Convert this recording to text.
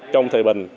trong thời bình